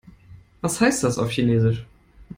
Was heißt das auf Chinesisch?